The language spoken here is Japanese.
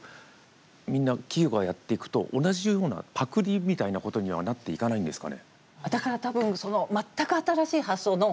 みんな企業がやっていくと同じようなパクリみたいなことにはなっていかないんですかね？